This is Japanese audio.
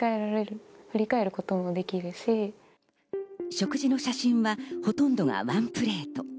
食事の写真はほとんどがワンプレート。